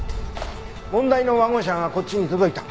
問題のワゴン車がこっちに届いた。